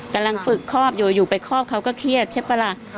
กำลังฝึกครอบอยู่อยู่ไปครอบเขาก็เครียดใช่ปะล่ะ